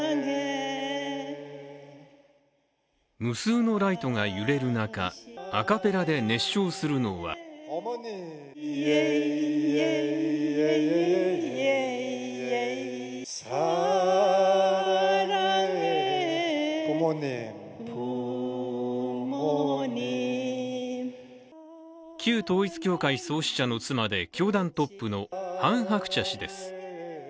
無数のライトが揺れる中アカペラで熱唱するのは旧統一教会創始者の妻で教団トップのハン・ハクチャ氏です。